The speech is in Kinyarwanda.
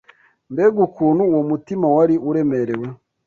Mbega ukuntu uwo mutima wari uremerewe